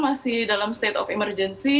masih dalam state of emergency